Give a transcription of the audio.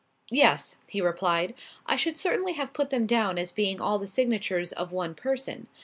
"Yes," he replied. "I should certainly have put them down as being all the signatures of one person.